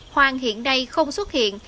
hoàng hiện nay không xuất hiện